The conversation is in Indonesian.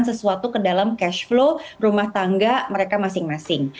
sesuatu ke dalam cash flow rumah tangga mereka masing masing